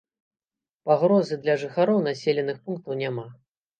Пагрозы для жыхароў населеных пунктаў няма.